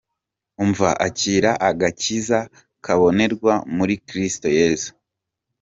umva akira agakiza kabonerwa muri Kristo Yesu.